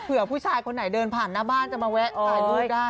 เผื่อผู้ชายคนไหนเดินผ่านหน้าบ้านจะมาแวะถ่ายรูปได้